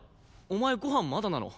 お前ご飯まだなの？